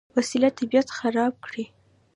وسله طبیعت خرابه کړي